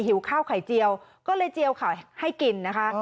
หิวข้าวไข่เจียวก็เลยเจียวไข่ให้กินนะคะ